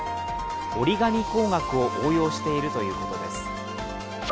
折り紙工学を応用しているということです。